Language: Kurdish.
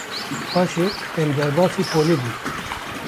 Paşê em derbasî polê bûn.